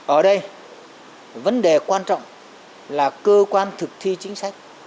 ở đây vấn đề quan trọng là cơ quan thực thi chính sách